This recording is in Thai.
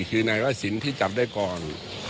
คือนายวศิลป์ที่จับได้ก่อน